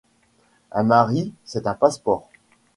Un mari, c’est un passeport.